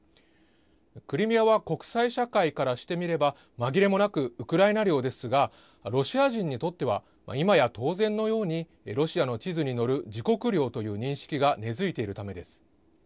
クリミアは国際社会からしてみれば、まぎれもなくウクライナ領ですが、ロシア人にとっては、今や当然のようにロシアの地図に載る自国領という認識が根づいているためです。